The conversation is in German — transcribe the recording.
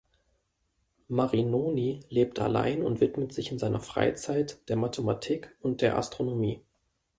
Marinoni lebt allein und widmet sich in seiner Freizeit der Mathematik und der Astronomie.